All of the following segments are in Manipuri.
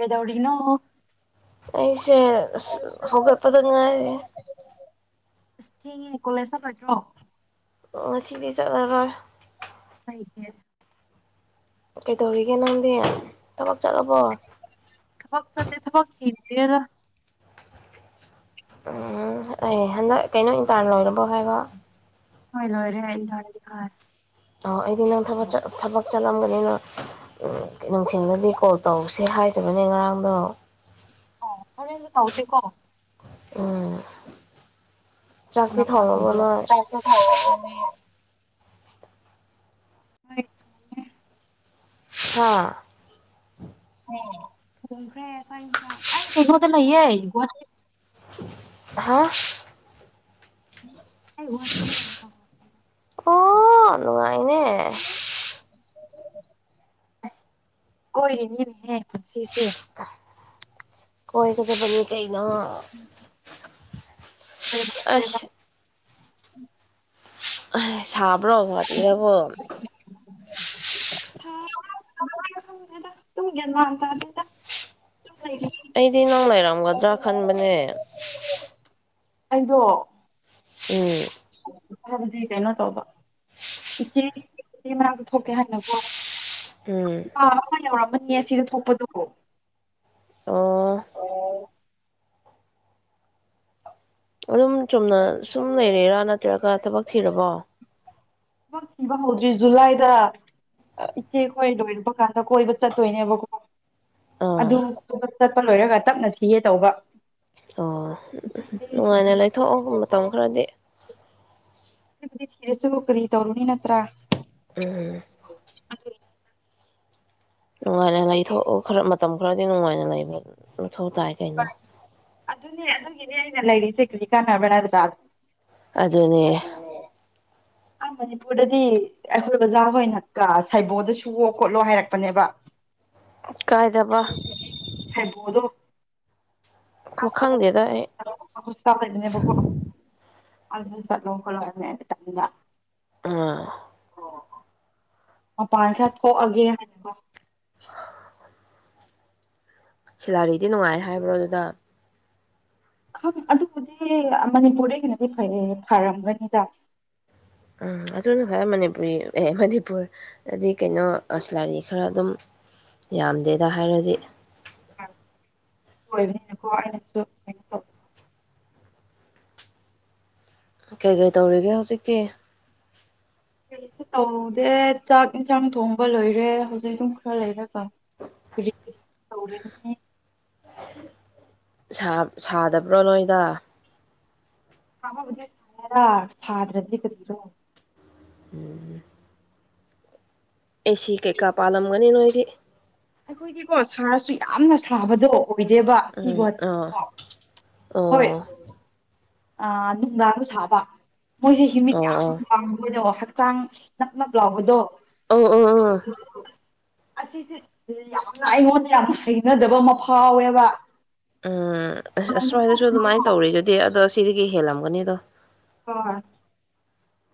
ꯑꯦꯗꯣꯅꯣ ꯑꯩꯁꯦ ꯍꯒꯄꯗꯉꯥꯏꯔꯦ ꯀꯤ ꯀꯣꯂꯦꯖ ꯆꯠꯂꯠꯇ꯭ꯔꯣ ꯉꯁꯤꯗꯤ ꯆꯠꯂꯔꯣꯏ [unintelligible] ꯑꯣ ꯀꯩꯗꯧꯔꯤꯒꯦ ꯅꯗꯤ ꯊꯄꯛ ꯆꯗꯦ ꯊꯄꯛꯈꯤ ꯌꯦꯦꯗ ꯎꯝ ꯑꯦ ꯍꯟꯗꯛ ꯀꯩꯅꯣ ꯏꯟ ꯇꯥꯔ ꯂꯣꯏꯔꯝ ꯍꯕ ꯍꯣꯏꯔ ꯑꯣꯏꯔꯦꯗꯤ ꯈꯔ ꯑ ꯕꯤꯅ ꯊꯕ ꯆ ꯊꯕꯛ ꯆꯠꯂꯝꯒꯅꯤꯅ ꯀ ꯁꯤꯡꯗꯗꯤ ꯀꯣꯜ ꯇꯧꯁꯤꯦ ꯍꯥꯏꯗꯕꯅꯤ ꯉꯔꯥꯡ ꯂ ꯑꯣ ꯍꯣꯔꯦꯟꯁꯨ ꯇꯧꯁꯦꯀꯣ ꯎ ꯀꯅꯥ ꯇꯧꯕꯤꯔꯣ ꯍꯣꯏ ꯍꯥꯥ ꯈ꯭ꯔꯦ ꯑꯩ ꯀꯩꯅꯣꯗ ꯂꯩꯌꯦ ꯍꯥ ꯎꯝ ꯑꯩ ꯒꯍꯇꯤꯗ ꯂꯥꯛꯕꯨꯍꯇꯗ ꯑꯣ ꯅꯨꯡꯉꯥꯏꯅꯦ ꯀꯣꯏꯅꯤ ꯈꯟꯁꯤꯁ ꯀꯣꯏ ꯀꯗꯅꯤ ꯀꯩꯩꯅ ꯑꯁ ꯎꯝ ꯁꯥꯕ ꯭ꯔꯣꯍꯗꯤꯔꯕꯣ ꯇꯨꯡ ꯌꯦꯟꯃꯥꯟ ꯇꯗꯗ ꯑꯩꯗꯤ ꯅꯪ ꯂꯩꯔꯝꯒꯗ꯭ꯔꯥ ꯈꯟꯕꯅꯦ ꯑꯩꯗꯣ ꯎꯝ ꯍꯥꯏꯕꯗꯤ ꯀꯩꯅꯣ ꯇꯧꯕ ꯏꯆꯦ ꯃꯅꯥꯛꯇ ꯊꯣꯛꯀꯦ ꯍꯅꯀꯣ ꯎꯝ ꯑꯃ ꯌꯧꯔꯝꯃꯅꯤ ꯁꯤꯗ ꯊꯣꯛꯄꯗꯣ ꯍ ꯑꯣꯥ ꯑꯗꯨꯝ ꯆꯨꯝꯅ ꯁꯨꯝ ꯂꯩꯔꯔꯥ ꯅꯠꯇ꯭ꯔꯒ ꯊꯕꯛ ꯊꯤꯔꯕꯣ ꯊꯕꯛ ꯊꯤꯕ ꯍꯧꯗ꯭ꯔꯤ ꯖꯨꯂꯥꯏꯗ ꯏꯆꯦ ꯈꯣꯏ ꯂꯣꯏꯔꯨꯕ ꯀꯥꯟꯗ ꯀꯣꯏꯕ ꯆꯠꯇꯣꯏꯅꯦꯕꯀꯣ ꯑꯗꯨ ꯑꯥ ꯆꯠꯄ ꯂꯣꯏꯔꯒ ꯇꯞꯅ ꯊꯤꯒꯦ ꯇꯧꯕ ꯑꯣ ꯅꯨꯡꯉꯥꯏꯅ ꯂꯩꯊꯣꯛꯑꯣ ꯃꯇꯝ ꯈꯔꯗꯤ ꯑꯗꯨꯕꯨꯗꯤ ꯊꯤꯔꯁꯨ ꯀꯔꯤ ꯇꯧꯔꯨꯅꯤ ꯅꯠꯇ꯭ꯔꯥ ꯎꯝ ꯅꯨꯡꯉꯥꯏꯅ ꯂꯩꯊꯣꯛꯎ ꯈꯔ ꯃꯇꯝ ꯈꯔꯗꯤ ꯅꯨꯡꯉꯥꯏꯅ ꯕ ꯃꯊꯧ ꯇꯥꯏ ꯀꯩꯅꯣ ꯑꯗꯨꯅꯦ ꯑꯗꯨ ꯏꯅꯦ ꯍꯥꯏꯅꯂ ꯏꯁꯦ ꯀ꯭ꯔꯤꯀꯥ ꯅꯕꯔꯗ ꯑꯗꯨꯅꯦ ꯑ ꯃꯅꯤꯄꯨꯔꯗꯗꯤ ꯑꯩꯈꯣꯏ ꯑꯣꯖꯥ ꯍꯣꯏꯅꯀ ꯁꯩꯕꯣꯜꯗ ꯁꯨꯑꯣꯣ ꯈꯣꯠꯂꯣ ꯍꯥꯏꯔꯛꯄꯅꯦꯕ ꯀꯥꯏꯗꯕ ꯍꯕꯣꯗꯣ [inaudible] ꯈꯪꯗꯦꯗ ꯑꯩ ꯂꯩꯅꯦꯕꯀꯣ ꯑꯗꯨꯔ ꯂꯣꯡꯀꯂ ꯍꯥꯏꯔꯃꯦ ꯇ ꯑꯥ ꯃꯄꯥꯟꯁ ꯊꯣꯛꯑꯒꯦ ꯍꯥꯏꯅꯀꯣ ꯁꯤꯂꯥꯔꯤꯗꯤ ꯅꯨꯡꯉꯥꯏ ꯍꯥꯏꯕ꯭ꯔꯣ ꯑꯗꯨꯗ ꯑꯗꯨꯕꯨꯗꯤ ꯃꯅꯤꯄꯨꯔ ꯑꯣꯏꯅꯗꯤ ꯐꯔꯝꯒꯅꯤꯗ ꯎꯝ ꯑꯗꯨꯅ ꯈꯔ ꯃꯅꯤꯄꯨꯔꯤ ꯑꯦ ꯃꯅꯤꯄꯨꯔꯗꯗꯤ ꯀꯩꯅꯣꯁ ꯂꯥꯏꯔꯤ ꯈꯔ ꯑꯗꯨꯝ ꯌꯥꯝꯗꯦꯗ ꯍꯥꯏꯔꯗꯤ ꯑꯣꯏꯕꯅꯤꯅꯀꯣ ꯑꯩꯅꯁꯨ ꯀ ꯇꯧꯕ ꯀꯩ ꯀꯩ ꯇꯧꯔꯤꯒꯦ ꯍꯧꯖꯤꯛꯀꯤ ꯇꯧꯗꯦ ꯆꯥꯛ ꯏꯟꯁꯥꯡ ꯊꯣꯡꯕ ꯂꯣꯏꯔꯦ ꯍꯧꯖꯤꯛ ꯑꯗꯨꯝ ꯈꯔ ꯂꯩꯔꯒ ꯇꯧꯔꯅꯤ ꯁꯥꯞ ꯁꯥꯗꯕ꯭ꯔꯣ ꯅꯣꯏꯗ ꯕ ꯁꯥꯗ꯭ꯔꯗꯤ ꯀꯁꯨꯣ [unintelligible] ꯎꯝ ꯑꯦꯁꯤ ꯀꯩꯀꯥ ꯄꯥꯂꯝꯒꯅꯤ ꯅꯣꯏꯗꯤ ꯑꯩꯈꯣꯏꯗꯤꯀꯣ ꯁꯥꯔꯁꯨ ꯌꯥꯝꯅ ꯁꯥꯕꯗꯣ ꯑꯣꯏꯗꯦꯕ ꯎꯝ ꯑ ꯁꯤꯒꯣꯀꯣ ꯑꯣ ꯑ ꯅꯨꯡꯗꯥꯡ ꯑꯗꯨ ꯊꯥꯕ ꯃꯣꯏꯁꯦ ꯍꯃꯤꯠ ꯑꯣ ꯌꯥꯝ ꯋꯥꯗ ꯍꯛꯆꯥꯡ ꯅꯛꯅꯞ ꯂꯥꯎꯕꯗꯣ ꯑꯣ ꯑꯁꯤꯁꯦ ꯌꯥꯝꯅ ꯑꯩꯉꯣꯟꯗ ꯌꯥꯝꯅ ꯍꯩꯅꯖꯕ ꯑꯃ ꯐꯥꯎꯋꯦꯕ ꯎꯝ ꯑ ꯍꯣꯏ ꯑꯁ꯭ꯋꯥꯏꯗꯁꯨ ꯑꯗꯨꯃꯥꯏꯅ ꯇꯧꯔꯤ ꯑꯗꯨꯗꯤ ꯑꯗꯣ ꯁꯤꯗꯤ ꯀꯩ ꯍꯦꯜꯂꯝꯒꯅꯤ ꯑꯗꯣ ꯍꯣꯏ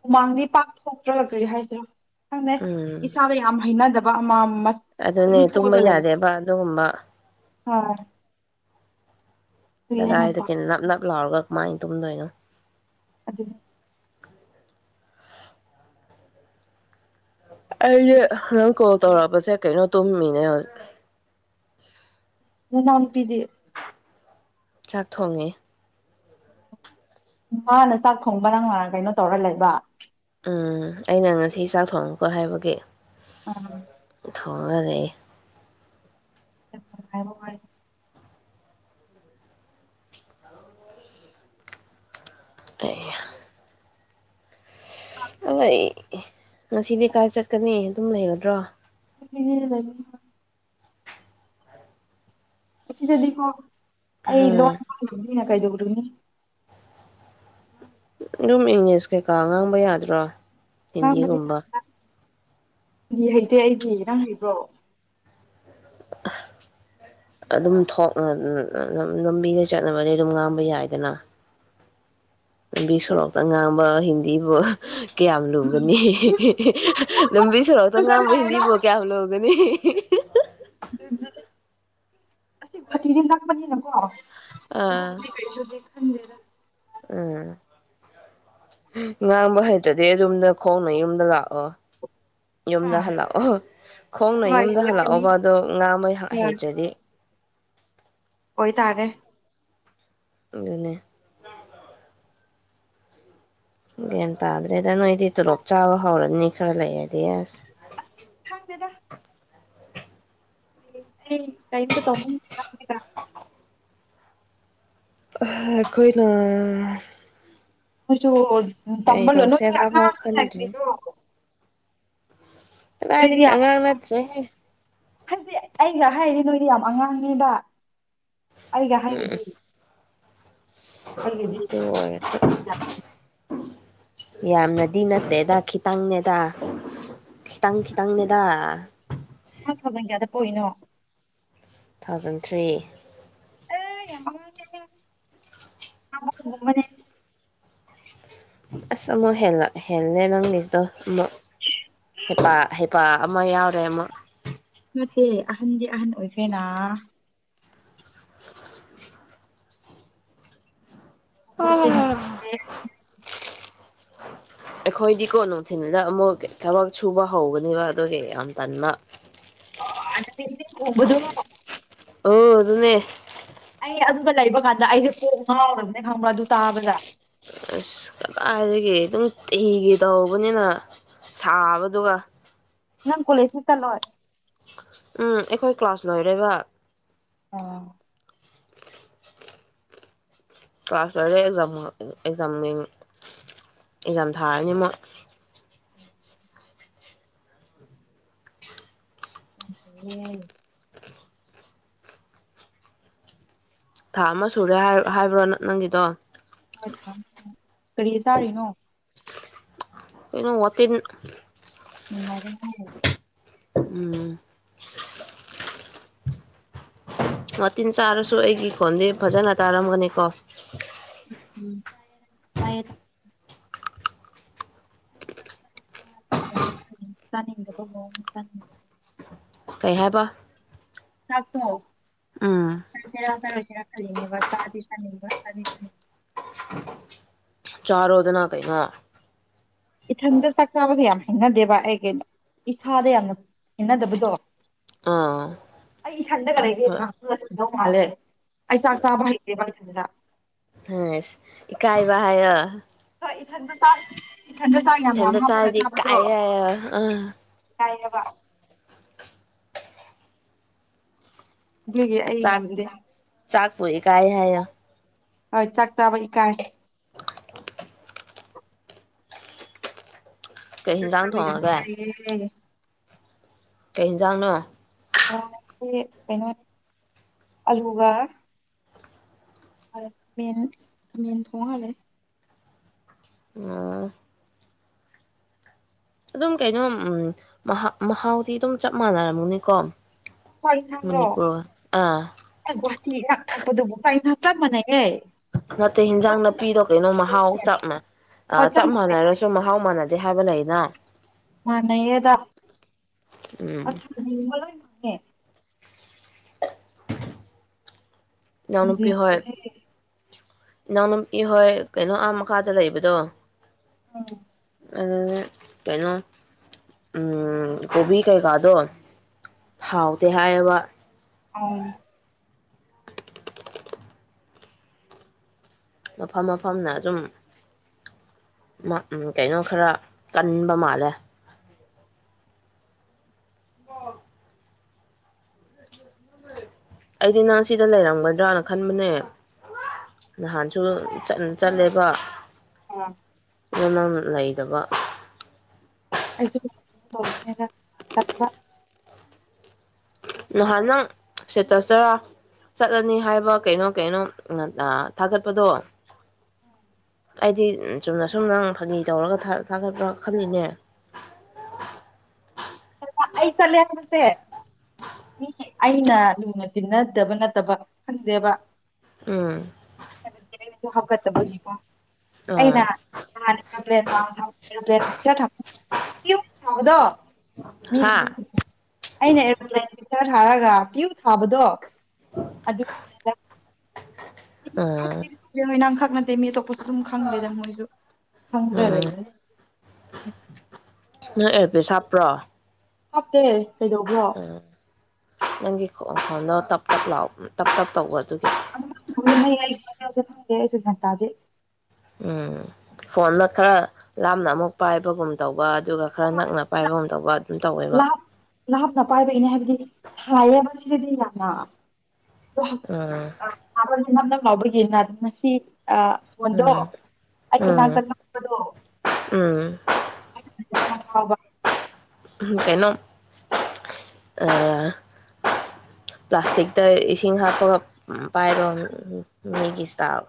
ꯍꯨꯃꯥꯡꯗꯤ ꯄꯥꯛꯊꯣꯛꯇ꯭ꯔ ꯀꯔꯤ ꯍꯥꯏꯁꯤꯔꯣ ꯅꯦ ꯎꯝ ꯏꯁꯥꯗ ꯌꯥꯝ ꯍꯩꯅꯗꯕ ꯋꯥꯃ ꯑꯗꯨꯅꯦ ꯇꯨꯝꯕ ꯌꯥꯗꯦꯕ ꯑꯗꯨꯒꯨꯝꯕ ꯑ ꯀꯗꯥꯗ ꯀꯩꯅ ꯅꯄ ꯂꯥꯎꯒ ꯃꯥꯏ ꯇꯨꯝꯗꯣꯏꯩꯅꯣ ꯑꯗꯨꯗ ꯑꯝ ꯑꯩꯁꯦ ꯅꯪ ꯀꯣꯜ ꯇꯧꯔꯛꯑꯕꯁꯦ ꯀꯩꯅꯣ ꯇꯨꯝꯃꯤꯅꯦ ꯍꯧ ꯅꯝ ꯄꯤꯗ ꯆꯥꯛ ꯊꯣꯡꯉꯤ ꯃꯥꯅ ꯆꯥꯛ ꯊꯣꯡꯕ ꯅꯪ ꯀꯩꯅꯣ ꯇꯧꯔ ꯂꯩꯕ ꯎꯝ ꯑꯩꯅ ꯉꯁꯤ ꯆꯥꯛ ꯊꯣꯡꯉꯀꯣ ꯍꯥꯏꯕꯒꯤ ꯑꯥ ꯊꯣꯡꯉ ꯂꯩ ꯉꯕ [unintelligible] ꯑꯩ ꯉꯁꯤꯗꯤ ꯀꯥꯏ ꯆꯠꯀꯅꯤ ꯑꯗꯨꯝ ꯂꯩꯒꯗ꯭ꯔꯣ ꯂꯩ ꯑꯁꯤ ꯁꯤꯗꯗꯤꯀꯣ ꯑꯩ ꯎꯝ ꯂꯣꯟ ꯅ ꯀꯥꯏꯗ ꯎꯒꯅꯤ ꯑꯗꯨꯝ ꯏꯪꯂꯤꯁ ꯀꯩꯀꯥ ꯉꯥꯡꯕ ꯌꯥꯗ꯭ꯔꯣ ꯉ ꯀꯗꯤꯗ ꯍꯤꯟꯗꯤꯒꯨꯝꯕ ꯗꯤ ꯍꯩꯇꯦ ꯑꯩꯗꯤ ꯅꯪ ꯍꯩꯕ꯭ꯔꯣ ꯑꯗꯨꯝ ꯊꯣꯛꯅ ꯂꯝꯕꯤꯗ ꯆꯠꯅꯕꯗꯤ ꯑꯗꯨꯝ ꯉꯥꯡꯕ ꯌꯥꯏꯗꯅ ꯅꯨꯕꯤ ꯁꯣꯔꯣꯛꯇ ꯉꯥꯡꯕꯤꯟ ꯑꯗꯨꯕꯨ ꯀꯌꯥꯝ ꯂꯨꯒꯅꯤ ꯂꯝꯕꯤ ꯁꯣꯔꯣꯛꯇ ꯉꯥꯡꯕ ꯍꯤꯟꯗꯤꯐꯥꯎ ꯀꯌꯥꯝ ꯂꯨꯒꯅꯤ [unintelligible] ꯑꯁꯤꯇꯤꯗꯤ ꯉꯪꯕꯅꯤꯅꯀꯣ ꯑꯥ ꯊꯗꯦꯒ ꯎꯝ ꯉꯥꯡꯕ ꯍꯩꯇꯗꯤ ꯑꯗꯨꯝꯅ ꯈꯣꯡꯅ ꯌꯨꯝꯗ ꯂꯥꯛꯑꯣ ꯍꯥ ꯌꯨꯝꯗ ꯍꯜꯂꯛꯑꯣ ꯈꯣꯡꯅ ꯍꯣꯏ ꯌꯨꯝꯗ ꯂꯥꯛꯀꯅꯤ ꯍꯜꯂꯛꯑꯣꯕ ꯑꯗꯣ ꯉꯥꯍꯩ ꯍꯣꯏ ꯍꯩꯇ꯭ꯔꯗꯤ ꯑꯣꯏꯇꯥꯔꯦ ꯑꯗꯨꯅꯦ ꯟ ꯇꯗ꯭ꯔꯦꯗ ꯅꯣꯏꯗꯤ ꯇꯣꯂꯣꯞ ꯆꯥꯕ ꯍꯧꯔꯅꯤ ꯈꯔ ꯂꯩ ꯊꯥꯡꯕꯦꯗ ꯀꯩꯅꯝꯇ ꯇꯉ ꯑꯩꯈꯣꯏꯅ ꯍꯧꯁꯨ ꯎ ꯀꯔꯤ ꯇꯝꯕꯜꯣꯅꯣ ꯇꯧꯁꯦꯔꯥꯐꯥꯎ ꯈꯟꯗ꯭ꯔꯤ ꯑꯗꯨꯗꯥꯏꯗꯒꯤ ꯑꯉꯥꯡ ꯅꯠꯇ꯭ꯔꯦ ꯍꯧꯖꯤꯛ ꯑꯩꯒ ꯍꯥꯏꯔꯤ ꯅꯣꯏꯗꯤ ꯌꯥꯝ ꯑꯉꯥꯡꯅꯦꯕ ꯑꯩꯒ ꯍꯥꯏꯅꯗꯤ ꯍ ꯌꯥꯝꯅꯗꯤ ꯅꯠꯇꯦꯗ ꯈꯤꯇꯪꯅꯦꯗ ꯈꯤꯇꯪ ꯈꯤꯇꯪꯅꯦꯗ ꯍꯅꯣ ꯇꯨ ꯊꯥꯎꯖꯟ ꯊ꯭ꯔꯤ ꯑꯃ ꯑꯁ ꯑꯃꯨꯛ ꯍꯂ ꯍꯦꯜꯂꯦ ꯅꯪꯒꯤꯁꯤꯗꯣ ꯑꯃꯨꯛ ꯍꯩꯄꯥ ꯍꯩꯄꯥ ꯑꯃ ꯌꯥꯎꯔꯦ ꯑꯃꯨꯛ ꯅꯠꯇꯦ ꯑꯍꯟꯗꯤ ꯑꯍꯟ ꯑꯣꯏꯈ꯭ꯔꯦꯅꯥ ꯑ ꯋꯥꯈꯜꯁꯦ ꯅꯨꯡꯉꯥꯏꯇ꯭ꯔꯦ ꯑꯩꯈꯣꯏꯗꯤꯀꯣ ꯅꯨꯡꯊꯤꯜꯗ ꯑꯃꯨꯛ ꯊꯕꯛ ꯁꯨꯕ ꯍꯧꯒꯅꯦꯕ ꯑꯗꯨꯒꯤ ꯌꯥꯝ ꯇꯟꯕ [unintelligible] ꯑꯣ ꯑꯗꯨꯅꯦ ꯑꯩ ꯑꯗꯨꯗ ꯂꯩꯕ ꯀꯥꯟꯗ ꯑꯩꯁꯦ ꯀꯣꯛ ꯉꯥꯎꯔꯕꯅꯦ ꯈꯪꯕ꯭ꯔꯥ ꯑꯗꯨ ꯇꯥꯕꯗ ꯑꯁ ꯀꯗꯥꯏꯁꯤꯒꯦ ꯑꯗꯨꯝ ꯇꯤꯒꯦ ꯇꯧꯕꯅꯤꯅ ꯁꯥꯕꯗꯨꯒ ꯅꯪ ꯀꯣꯂꯦꯖ ꯆꯂꯣꯣꯏ ꯎꯝ ꯑꯩꯈꯣꯏ ꯀ꯭ꯂꯥꯁ ꯂꯣꯏꯔꯕ ꯑꯥ ꯀ꯭ꯂꯥꯁ ꯂꯣꯏꯔꯦ ꯑꯦꯛꯖꯥꯝ ꯑꯦꯛꯖꯥꯝꯡ ꯑꯦꯛꯖꯥꯝ ꯊꯥꯔꯅꯤ ꯃꯣꯏ ꯌꯥꯝ ꯊꯥ ꯑꯃ ꯁꯨꯔꯦ ꯍꯥꯏꯕ꯭ꯔꯣ ꯅꯪꯒꯤꯗꯣ ꯍꯣꯏ ꯊ ꯀꯔꯤ ꯁꯥꯔꯤꯅꯣ ꯑꯗꯨꯩꯅ ꯃ ꯃꯇꯝꯤꯟ ꯃꯔ ꯍ ꯎꯝ ꯃꯇꯤꯟ ꯆꯥꯔꯁꯨ ꯑꯩꯒꯤ ꯈꯣꯟꯗꯤ ꯐꯖꯅ ꯇꯥꯔꯝꯒꯅꯤꯀꯣ ꯎꯝ ꯎꯝ ꯆꯥꯅꯤꯡꯗꯕꯑꯣꯅꯤꯡ ꯀꯩ ꯍꯥꯏꯕ ꯎꯝ ꯊꯥꯛꯇꯔꯁꯔ ꯆ‌ꯦꯅꯦꯕ ꯆꯗꯤ ꯆꯅꯤꯕ ꯆꯗꯤ ꯆꯅꯤ ꯆꯥꯔꯣꯗꯅ ꯀꯩ ꯉꯥ ꯏꯊꯟꯗ ꯆꯥꯛ ꯆꯥꯕꯁꯦ ꯌꯥꯝ ꯍꯤꯡꯅꯗꯦꯕ ꯑꯩ ꯀꯩꯅꯣ ꯏꯁꯥꯗ ꯌꯥꯝꯅ ꯍꯦꯅꯗꯕꯗꯣ ꯑꯥ ꯑꯩ ꯏꯊꯟꯗ ꯀ ꯂꯩꯒ ꯍꯣꯏ ꯉꯇꯒ ꯆꯨꯗꯧ ꯃꯥꯜꯂꯦ ꯑꯩ ꯆꯥꯛ ꯆꯥꯕ ꯍꯩꯇꯦꯕ ꯏꯊꯟꯗ ꯀꯥꯏꯕ ꯍꯥꯏ ꯏꯈꯗ ꯇ ꯊꯟꯗ ꯆꯥ ꯑꯗꯤ ꯀꯌꯦ ꯑ ꯌꯥꯕ ꯑꯗꯨꯒꯤ ꯑꯩ ꯉꯝꯗꯦ ꯆꯥꯥꯛꯄꯦ ꯀꯥꯏ ꯍꯥꯏ ꯍꯣꯏ ꯆꯥꯛ ꯆꯥꯕ ꯏꯀꯥꯏ ꯀꯩ ꯍꯤꯟꯖꯥꯡ ꯃꯤ ꯊꯣꯡꯉꯒꯦ ꯌꯥꯦ ꯀꯩꯖꯥꯡꯅ [unintelligible] ꯀꯩꯅꯣ ꯑꯂꯨꯒꯥ ꯑ ꯈꯃꯦꯟ ꯈꯃꯦꯟ ꯊꯉ ꯑ ꯑꯣ ꯑꯗꯨꯝ ꯀꯩꯅꯣ ꯎ ꯃꯍꯥꯎꯗꯤ ꯑꯗꯨꯝ ꯆꯞ ꯃꯥꯟꯅꯔꯝꯃꯨꯅꯤꯀꯣ ꯍ ꯁꯪ꯭ꯔꯣ ꯒꯨꯍꯥꯇꯤꯒ ꯊꯥꯛꯄꯗꯨꯕꯨ ꯐꯩꯅ ꯍꯥꯞ ꯇꯃꯅꯦꯒꯦ ꯅꯠꯇꯦ ꯍꯟꯖꯥꯡ ꯅꯥꯄꯤꯗꯣ ꯀꯩꯅꯣ ꯃꯍꯥꯎ ꯆꯞꯃꯦ ꯑ ꯍꯣꯏ ꯆꯞ ꯃꯥꯟꯅꯩ ꯃꯥꯟꯅꯔꯁꯨ ꯃꯍꯥꯎ ꯃꯥꯟꯅꯗ ꯗꯍꯕ ꯂꯩ ꯃꯥ ꯅ ꯑꯦꯗ ꯎꯝ ꯑꯣꯦ [inaudible] ꯏꯅꯥꯎꯅ ꯏ ꯍꯣꯏ ꯀꯩꯅꯣ ꯀꯀꯥꯗ ꯂꯩꯕꯗꯣ ꯑꯝ ꯑꯗꯨ ꯀꯩꯅꯣ ꯀꯣꯕꯤ ꯀꯩꯀꯥꯗꯣ ꯍꯥꯎꯇꯦ ꯍꯥꯏꯕ ꯑ ꯃꯐꯝ ꯃꯐꯝꯅ ꯑꯗꯨꯝ ꯎ ꯀꯩꯅꯣ ꯈꯔ ꯀꯟꯕ ꯃꯥꯜꯂꯦ [unintelligible] ꯑꯩꯗꯤ ꯅꯪ ꯁꯤꯗ ꯂꯩꯔꯝꯒꯗ꯭ꯔꯅ ꯈꯟꯕꯅꯦ ꯅꯍꯥꯟꯁꯨ ꯆꯠꯂꯦꯕ ꯎ ꯂꯩꯇꯕ ꯑꯩꯁꯨ ꯀꯣ ꯇꯧꯒꯅꯦꯅ ꯈꯟꯕ ꯅꯍꯥꯟ ꯅꯪ ꯁꯤꯇꯁꯇꯔꯥ ꯆꯠꯂꯅꯤ ꯍꯥꯏꯕ ꯀꯩꯅꯣ ꯀꯩꯅꯣ ꯊꯥꯒꯠꯄꯗꯣ ꯎꯝ ꯑꯩꯗꯤ ꯆꯨꯝꯅ ꯁꯨꯝ ꯅꯪ ꯐꯥꯒꯤ ꯇꯧꯔꯒ ꯊꯥꯒꯠꯄ ꯈꯜꯂꯤꯅꯦ ꯑꯩ ꯆꯠꯂꯦ ꯁꯦ ꯎꯝ ꯑꯩꯅ ꯂꯨꯅ ꯇꯤꯟꯅꯗꯕ ꯅꯠꯇꯕ ꯈꯪꯗꯦꯕ ꯎꯝ ꯑꯩꯅꯁꯨ ꯍꯥꯞꯀꯠꯇꯕꯒꯤꯀꯣ ꯑꯥ ꯑꯩꯅꯄ [unintelligible] ꯗꯣ ꯃꯤ ꯍꯥ ꯂꯩ ꯑꯅꯦ [unintelligible] ꯈꯔ ꯊꯔꯒ ꯄꯤꯌꯨ ꯊꯥꯕꯗꯣ ꯑꯗꯨ ꯑ ꯑꯦ ꯃꯤ ꯑꯇꯣꯞꯄꯁꯨ ꯑꯗꯨꯝ ꯈꯪꯗꯦꯗ ꯃꯣꯏꯁꯨ ꯈꯪꯗ꯭ꯔ ꯎꯝ ꯂꯩꯗꯅꯦ ꯎꯝ ꯅꯣꯏ ꯑꯦꯐꯦ ꯁꯥꯞꯄ꯭ꯔꯣ ꯍꯥꯞꯇꯦ ꯀꯩꯗꯧꯕ꯭ꯔꯣ ꯅꯪꯒꯤ ꯈꯗꯣ ꯇꯞ ꯇꯞ ꯂꯥꯎ ꯇꯞ ꯇꯞ ꯇꯧꯕꯗꯨꯒꯤ ꯑꯗꯨꯏ [unintelligible] ꯇꯥꯗꯦ ꯎꯝ ꯐꯣꯟꯅ ꯈꯔ ꯂꯥꯞꯅ ꯑꯃꯨꯛ ꯄꯥꯏꯕꯒꯨꯝ ꯇꯧꯕ ꯑꯗꯨꯒ ꯈꯔ ꯅꯛꯅ ꯄꯥꯏꯕ ꯉ ꯇꯧꯕ ꯑꯗꯨꯝ ꯇꯧꯋꯦꯕ ꯂꯥꯞ ꯂꯥꯞꯅ ꯄꯥꯏꯕꯒꯤꯅꯦ ꯍꯥꯏꯕꯗꯤ ꯊꯥꯏꯌꯦꯕ ꯁꯤꯗꯗꯤ ꯌꯥꯝꯅ ꯎꯝ ꯕ [unintelligible] ꯅꯝꯅ ꯂꯥꯎꯕꯒꯤꯟꯅ ꯉꯁꯤ ꯑ ꯐꯣꯟꯗꯣ ꯎꯝ ꯑꯩꯒꯤ ꯎꯝ ꯅꯥꯛꯇ ꯅꯧꯕꯗꯣ ꯑ ꯍ ꯋꯥ [unintelligible] ꯀꯩꯅꯣ ꯄ꯭ꯂꯥꯁꯇꯤꯛꯇ ꯏꯁꯤꯡ ꯍꯥꯞꯄꯒ ꯄꯥꯏꯔꯣꯟ ꯃꯤꯒꯤꯁ ꯏꯁꯇꯥꯥꯎ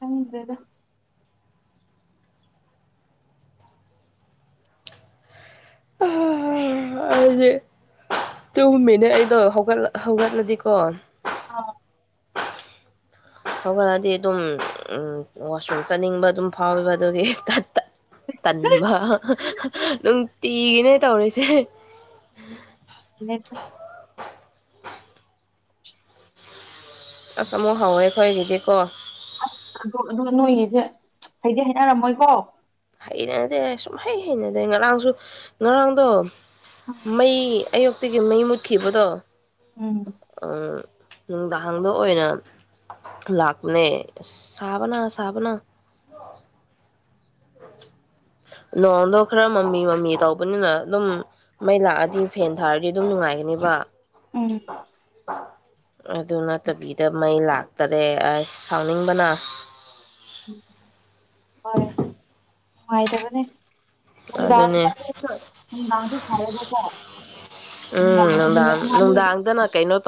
ꯍꯗ꯭ꯔꯦꯗ ꯑꯩꯗꯤꯦꯇꯨꯝꯃꯤꯅꯦ ꯑꯩꯗꯣꯠ ꯍꯧꯒꯠꯂꯗꯤꯀꯣ ꯀꯣꯟ ꯑꯥ ꯍꯧꯒꯠꯂꯑꯗꯤ ꯑꯗꯨꯝ ꯋꯥꯁꯔꯨꯝ ꯆꯠꯅꯤꯡꯕ ꯑꯗꯨꯝ ꯐꯥꯎꯋꯦꯕ ꯑꯗꯨꯒꯤ ꯇꯟꯕ ꯇꯤꯒꯅꯦ ꯇꯧꯔꯤꯁꯦ ꯂꯩꯇ ꯑꯁ ꯑꯃꯨꯛ ꯍꯧꯥꯎꯋꯦꯈꯣꯏꯒꯤꯗꯤꯀꯣ ꯑꯁ ꯑꯗꯣ ꯑ ꯅꯣꯏꯒꯤꯁꯦ ꯍꯩꯗꯤ ꯍꯥꯏꯅꯔꯝꯃꯣꯏꯀꯣ ꯍꯩꯅꯗꯦ ꯁꯨꯝ ꯍꯩ ꯍꯩꯅꯗꯦ ꯉꯔꯥꯡꯁꯨ ꯉꯔꯥꯡꯗꯣ ꯃꯩ ꯑꯌꯨꯛꯇꯤꯒꯤ ꯃꯩ ꯃꯨꯠꯈꯤꯕꯗꯣ ꯎꯝ ꯎꯝ ꯅꯨꯡꯗꯥꯡꯗ ꯑꯣꯏꯅ ꯂꯥꯛꯄꯅꯦ ꯑ ꯁꯥꯕꯅ ꯁꯥꯕꯅ ꯅꯣꯡꯗꯣ ꯈꯔ ꯃꯃꯤ ꯃꯃꯤ ꯇꯧꯕꯅꯤꯅ ꯑꯗꯨꯝ ꯃꯩ ꯂꯥꯛꯑꯗꯤ ꯐꯦꯟ ꯊꯥꯔꯗꯤ ꯑꯗꯨꯝ ꯅꯨꯡꯉꯥꯏꯒꯅꯦꯕ ꯎꯝ ꯑ ꯑꯗꯨ ꯅꯠꯇꯕꯤꯗ ꯃꯩ ꯂꯥꯛꯇꯔꯦ ꯑꯁ ꯁꯥꯎꯅꯤꯡꯕꯅ ꯍꯣꯏ ꯅꯨꯡꯉꯥꯏꯇꯕꯅꯦ ꯍꯗ ꯑꯗꯨꯅꯦ ꯍꯟꯗꯥꯡꯗ ꯁꯔꯦꯗꯗ ꯎꯝ ꯅꯨꯡꯗꯥꯡ ꯃꯤꯅꯤ ꯅꯨꯡꯗꯥꯡꯗꯅ ꯀꯩꯅꯣ